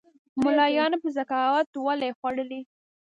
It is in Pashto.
مُلایانو به زکات ولي خوړلای